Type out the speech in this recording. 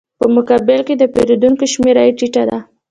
په مقابل کې د پېرودونکو شمېره یې ټیټه ده